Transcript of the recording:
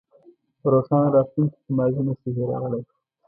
په روښانه راتلونکي کې ماضي نه شئ هېرولی.